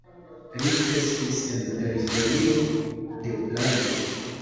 Li kreskis en periferio de Prago.